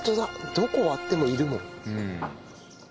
どこを割ってもいるもん。